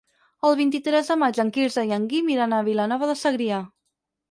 El vint-i-tres de maig en Quirze i en Guim iran a Vilanova de Segrià.